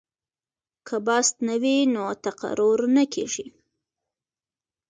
که بست نه وي نو تقرر نه کیږي.